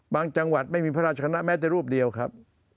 จังหวัดไม่มีพระราชคณะแม้แต่รูปเดียวครับ